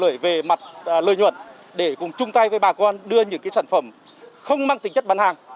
lợi về mặt lợi nhuận để cùng chung tay với bà con đưa những sản phẩm không mang tính chất bán hàng